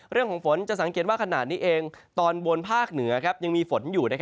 เรื่องของฝนจะสังเกตว่าขนาดนี้เองตอนบนภาคเหนือยังมีฝนอยู่